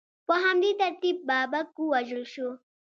په همدې ترتیب بابک ووژل شو.